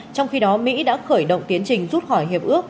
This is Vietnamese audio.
trong khi đó mỹ đã khởi động tiến trình rút khỏi hiệp ước